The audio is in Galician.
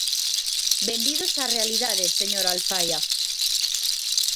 ¡Benvidos á realidade, señora Alfaia!